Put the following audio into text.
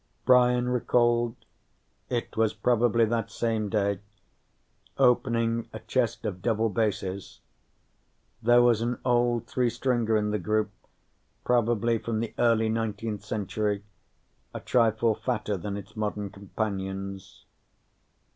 Brian recalled it was probably that same day opening a chest of double basses. There was an old three stringer in the group, probably from the early 19th century, a trifle fatter than its modern companions.